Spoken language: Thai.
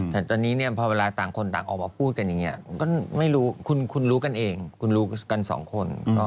แต่ตอนนี้เนี่ยพอเวลาต่างคนต่างออกมาพูดกันอย่างนี้ก็ไม่รู้คุณรู้กันเองคุณรู้กันสองคน